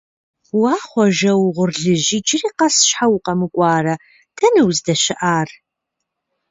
Уэ, Хъуэжэ угъурлыжь, иджыри къэс щхьэ укъэмыкӀуарэ, дэнэ уздэщыӀар?